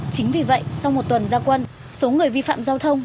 chính vì vậy sau một tuần gia quân số người vi phạm giao thông